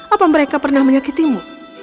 apa mereka pernah menyakitimu